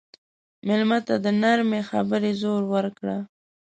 مېلمه ته د نرمې خبرې زور ورکړه.